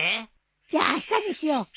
じゃああしたにしよう。